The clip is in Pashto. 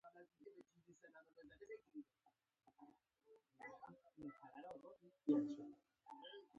پر لار روان و.